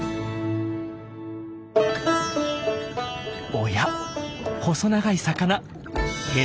おや細長い魚。